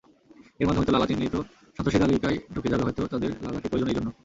এর মাধ্যমে তো লালা চিহ্নিত সন্ত্রাসী তালিকায় ঢুকে যাবে হয়তো তাদের লালাকে প্রয়োজন এইজন্য।